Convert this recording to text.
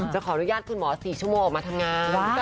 ขออนุญาตคุณหมอ๔ชั่วโมงออกมาทำงาน